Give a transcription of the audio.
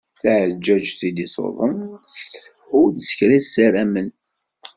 Taɛeǧǧaǧt i d-iṣuḍen thudd s kra i ssaramen.